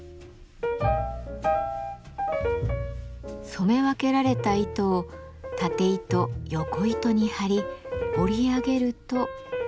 染め分けられた糸を縦糸横糸に張り織り上げると。